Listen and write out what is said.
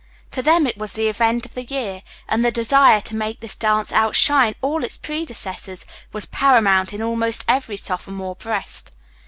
To them, it was the event of the year, and the desire to make this dance outshine all its predecessors was paramount in almost every sophomore breast.